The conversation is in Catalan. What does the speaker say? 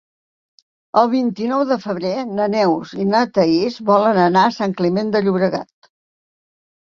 El vint-i-nou de febrer na Neus i na Thaís volen anar a Sant Climent de Llobregat.